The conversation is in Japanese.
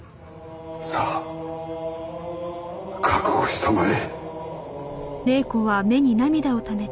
さあ覚悟したまえ。